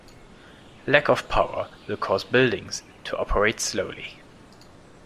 Lack of power will cause buildings to operate slowly.